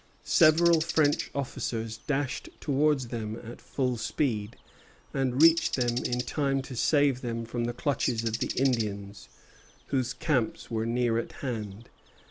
Several French officers dashed towards them at full speed, and reached them in time to save them from the clutches of the Indians, whose camps were near at hand.